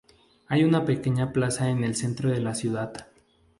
Hay una pequeña plaza en el centro de la ciudad.